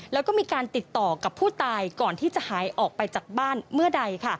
แล้วก็มีการติดต่อกับผู้ตายก่อนที่จะหายออกไปจากบ้านเมื่อใด